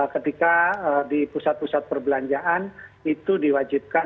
ketika di pusat pusat perbelanjaan itu diwajibkan